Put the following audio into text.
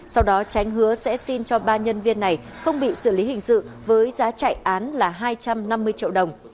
sau đó tránh hứa sẽ xin cho ba nhân viên này không bị xử lý hình sự với giá chạy án là hai trăm năm mươi triệu đồng